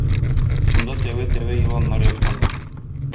Шунда тәвә-тәвә еланнар яткан.